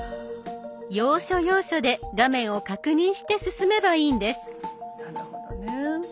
要所要所で画面を確認して進めばいいんです。